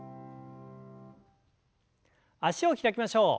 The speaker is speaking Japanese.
脚を開きましょう。